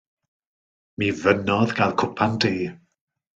Mi fynnodd gael cwpan de.